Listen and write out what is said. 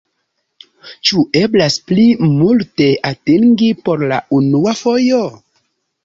Ĉu eblas pli multe atingi por la unua fojo?